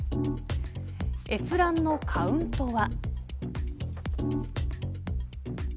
閲覧のカウントは。